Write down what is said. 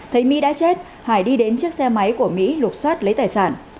thấy mỹ đã chết hải đi đến chiếc xe máy của mỹ lục xoát lấy tài sản